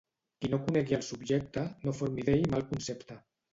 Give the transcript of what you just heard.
Qui no conegui el subjecte no formi d'ell mal concepte.